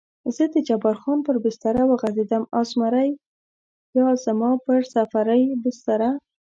زه د جبار خان پر بستره وغځېدم او زمری بیا زما پر سفرۍ بستره.